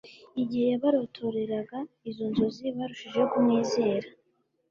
Igihe yabarotoreraga izo nzozi barushijeho kumwizera